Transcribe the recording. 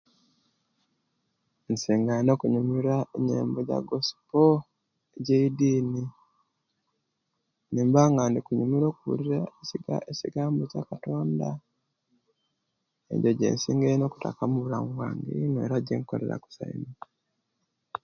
Insinga ino okunyumirwa enyembo ja gospel ejje'dini nimba nga inkunyumirwa okubulira ekyi ekyi gambo kya katonda nze gye'nsinga eino okuttaka mubulamu bwange era gye'nkoleraku